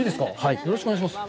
よろしくお願いします。